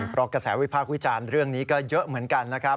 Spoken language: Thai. เพราะกระแสวิพากษ์วิจารณ์เรื่องนี้ก็เยอะเหมือนกันนะครับ